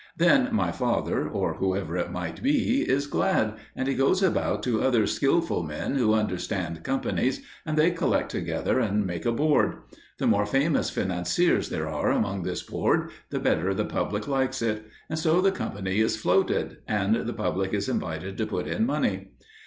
Then my father, or whoever it might be, is glad, and he goes about to other skilful men who understand companies, and they collect together and make a board. The more famous financiers there are upon this board the better the public likes it; and so the company is floated, and the public is invited to put in money.